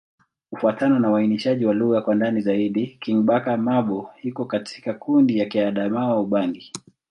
Kufuatana na uainishaji wa lugha kwa ndani zaidi, Kingbaka-Ma'bo iko katika kundi la Kiadamawa-Ubangi.